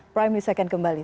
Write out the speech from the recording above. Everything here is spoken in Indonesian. primely second kembali